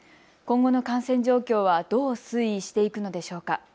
今後の感染状況はどう推移していくのでしょうか。